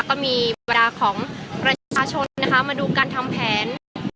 ก็มีบรรดาของประชาชนนะคะมาดูการทำแผน